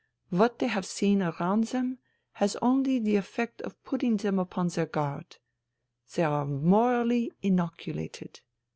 What they have seen around them has only had the effect of putting them upon their guard. They are morally inoculated.